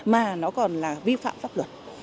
mà nó còn là vi phạm pháp luật